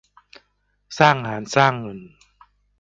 สร้างงาน สร้างเงิน